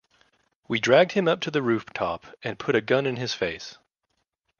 We dragged him up to the rooftop and put a gun in his face.